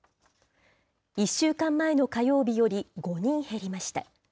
１週間前の火曜日より５人減りました。